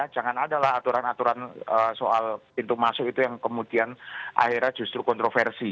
jangan adalah aturan aturan soal pintu masuk itu yang kemudian akhirnya justru kontroversi